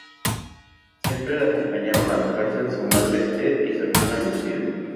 Siempre le acompañaron a la cárcel su madre Ester y su hermana Lucila.